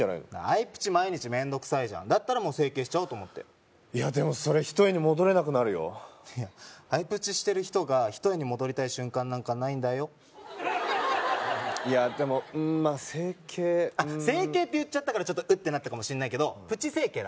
アイプチ毎日めんどくさいじゃんだったら整形しちゃおうと思っていやでもそれ一重に戻れなくなるよいやアイプチしてる人が一重に戻りたい瞬間なんかないんだよいやでもまっ整形整形って言っちゃったからウッてなったかもしんないけどプチ整形